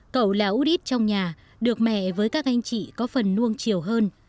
cậu là út ít trong nhà được mẹ với các anh chị có phần nuông chiều hơn